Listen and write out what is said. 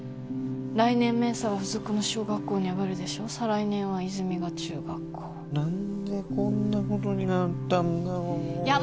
来年明紗は附属の小学校に上がるでしょ再来年は泉実が中学校何でこんなことになったんだろういや